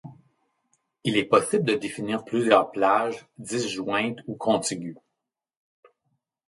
Il est possible de définir plusieurs plages, disjointes ou contiguës.